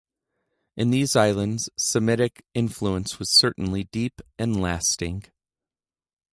In these islands Semitic influence was certainly deep and lasting.